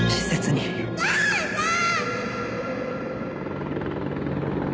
お母さん！